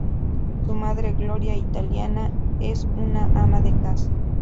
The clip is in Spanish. Su madre Gloria, italiana, es una ama de casa.